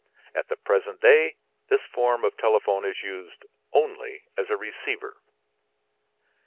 At the present day this form of telephone is used only as a receiver.